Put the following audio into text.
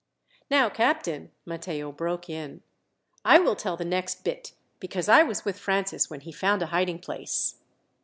"Now, captain," Matteo broke in, "I will tell the next bit, because I was with Francis when he found a hiding place."